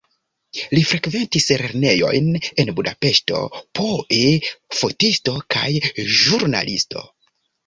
Li frekventis lernejojn en Budapeŝto poe fotisto kaj ĵurnalisto.